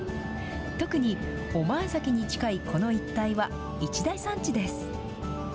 特に御前崎に近いこの一帯は、一大産地です。